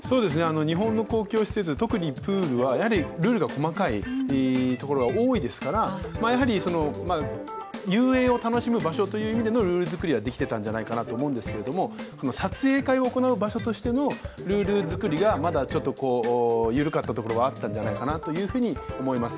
日本の公共施設、特にプールはルールが細かいところが多いですから遊泳を楽しむ場所という意味でのルール作りはできていたんじゃないかなと思うんですが撮影会を行う場所としてのルール作りがまだ緩かったところがあったんじゃないかなと思います。